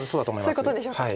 そういうことでしょうか。